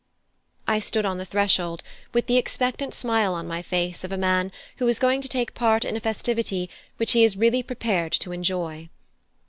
I stood on the threshold with the expectant smile on my face of a man who is going to take part in a festivity which he is really prepared to enjoy.